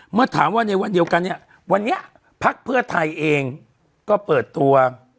เมื่อถามว่าในวันเดียวกันเนี่ยวันนี้ภักดิ์เพื่อไทยเองก็เปิดตัว